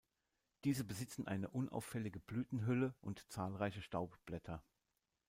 Diese besitzen eine unauffällige Blütenhülle und zahlreiche Staubblätter.